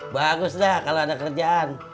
bagus dah kalau ada kerjaan